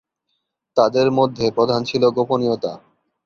তাদের মধ্যে প্রধান ছিল গোপনীয়তা।